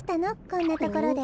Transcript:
こんなところで。